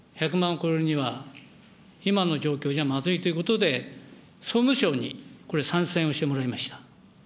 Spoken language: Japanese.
これには今の状況じゃまずいということで、総務省にこれ、参戦をしてもらいました。